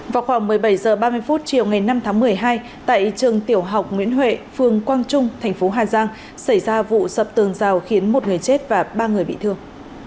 vào khoảng một mươi bảy h ba mươi chiều ngày năm tháng một mươi hai tại trường tiểu học nguyễn huệ phường quang trung thành phố hà giang xảy ra vụ sập tường rào khiến một người chết và ba người bị thương